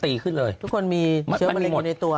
ทุกคนมีเชื้อแมลงกันในตัว